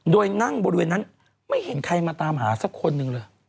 โดยนั่งบริเวณนั้นไม่เห็นใครมาตามหาสักคนหนึ่งเลย